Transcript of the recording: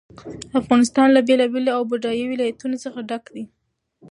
افغانستان له بېلابېلو او بډایه ولایتونو څخه ډک دی.